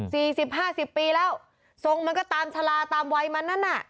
สิบห้าสิบปีแล้วทรงมันก็ตามชะลาตามวัยมันนั่นน่ะ